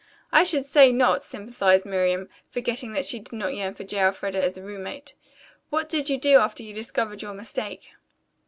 "I should say not," sympathized Miriam, forgetting that she did not yearn for J. Elfreda as a roommate. "What did you do after you discovered your mistake?"